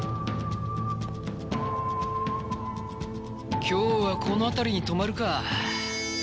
今日はこの辺りに泊まるか。